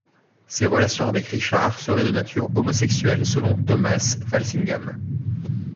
Ses relations avec Richard seraient de nature homosexuelles selon Thomas Walsingham.